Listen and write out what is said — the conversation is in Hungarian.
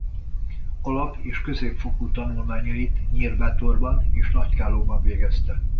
Alap- és középfokú tanulmányait Nyírbátorban és Nagykállóban végezte.